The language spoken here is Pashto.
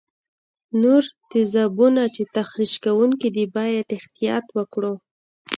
نور تیزابونه چې تخریش کوونکي دي باید احتیاط وکړو.